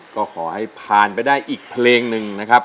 ก็ขอให้ผ่านไปได้อีกเพลงหนึ่งนะครับ